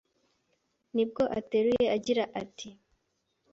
Ni bwo ateruye agira ati